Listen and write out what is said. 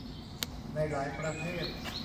ในหลายประเทศ